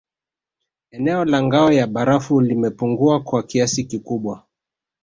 Eneo la ngao ya barafu limepungua kwa kiasi kikubwa